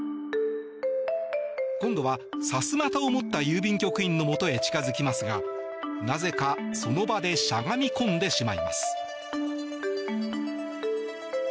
今度はさすまたを持った郵便局員のもとへ近付きますがなぜかその場でしゃがみ込んでしまいます。